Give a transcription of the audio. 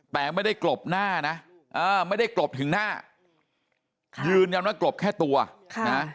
แต่ไม่ได้กลบหน้านะไม่ได้กลบถึงหน้ายืนยันว่ากลบแค่ตัวค่ะนะ